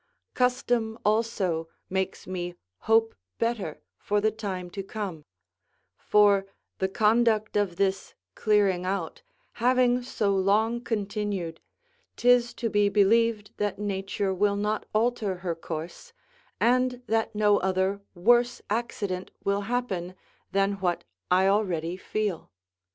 Custom also makes me hope better for the time to come; for, the conduct of this clearing out having so long continued, 'tis to be believed that nature will not alter her course, and that no other worse accident will happen than what I already feel.